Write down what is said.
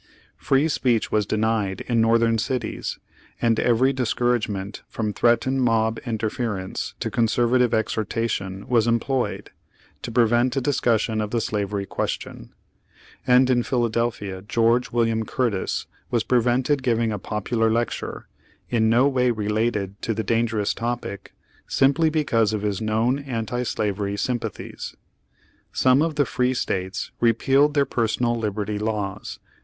Free speech was denied in Northern cities, and every discouragement from threatened mob interference to conservative ex hortation was employed to prevent a discussion of the slavery question; and in Philadelphia George William Curtis was prevented giving a popular lecture, in no way related to the dangerous topic, simply because of his known anti slavery sym pathies. Some of the free States repealed their Personal Liberty Laws.